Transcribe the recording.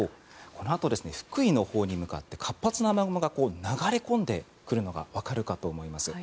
このあと、福井のほうに向かって活発な雨雲が流れ込んでくるのがわかるかと思います。